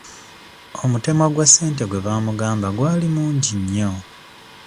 Omutemwa gwa ssente gwe baamugamba gwali mungi nnyo.